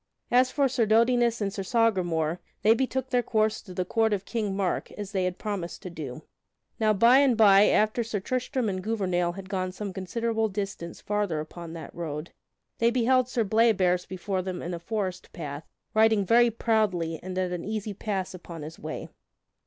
As for Sir Dodinas and Sir Sagramore, they betook their course to the court of King Mark, as they had promised to do. [Sidenote: Sir Tristram comes to Sir Bleoberis] Now, by and by, after Sir Tristram and Gouvernail had gone some considerable distance farther upon that road, they beheld Sir Bleoberis before them in a forest path, riding very proudly and at an easy pass upon his way.